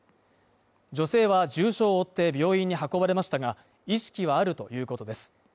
女性は重傷を負って病院に運ばれましたが意識はあるということです。